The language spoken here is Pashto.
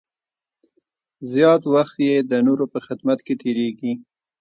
زیات وخت یې د نورو په خدمت کې تېرېږي.